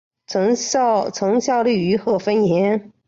曾效力于贺芬咸。